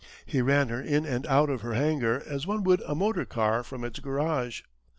He ran her in and out of her hangar as one would a motor car from its garage.